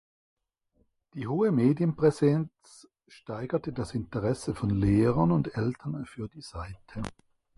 Die hohe Medienpräsenz steigerte das Interesse von Lehrern und Eltern für die Seite.